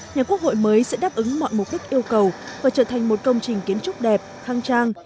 nhà quốc hội mới sẽ đáp ứng mọi mục đích yêu cầu và trở thành một công trình kiến trúc đẹp khang trang